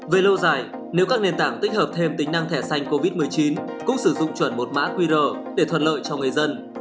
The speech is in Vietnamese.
về lâu dài nếu các nền tảng tích hợp thêm tính năng thẻ xanh covid một mươi chín cũng sử dụng chuẩn một mã qr để thuận lợi cho người dân